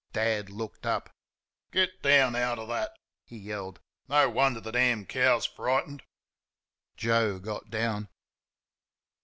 Dad looked up. "Get down outer THAT!" he yelled. "No wonder the damn cow's frightened." Joe got down.